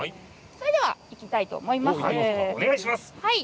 それでは、いきたいと思います。